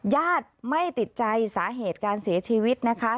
ญาติไม่ติดใจสาเหตุการเสียชีวิตนะคะ